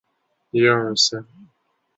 西汉泰山郡刚县人。